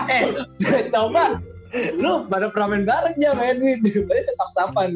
eh coba lu bareng bareng aja sama edwin berarti kesapa kesapan kan